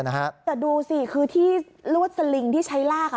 แต่ดูสิคือที่ลวดสลิงที่ใช้ลาก